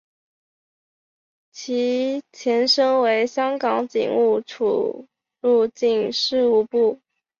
其前身为香港警务处入境事务部。